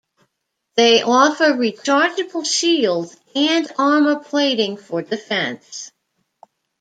They offer rechargeable shields and armor plating for defense.